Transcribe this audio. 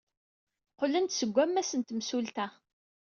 Qqlen-d seg wammas n temsulta.